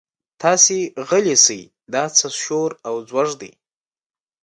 تاسې غلي شئ دا څه شور او ځوږ دی.